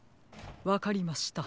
わかりました。